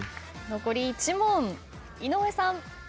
残り１問井上さん。